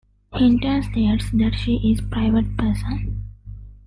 Hinton states that she is a private person.